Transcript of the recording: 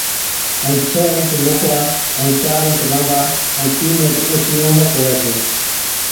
ائُون ڇه اِنچ موڪڙا ائُون چار اِنچ لانٻا ائُون تِين اِنچ اوڇِي اوهمڪ هُوَي ڇَي۔